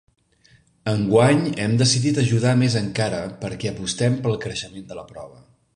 Enguany hem decidit ajudar més encara perquè apostem pel creixement de la prova.